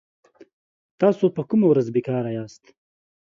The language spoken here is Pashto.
تاسو په کومه ورځ بي کاره ياست